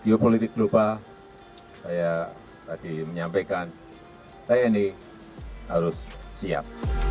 di geopolitik global saya tadi menyampaikan tni harus siap